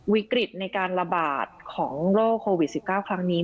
วิกฤตในการระบาดของโรคโควิด๑๙ครั้งนี้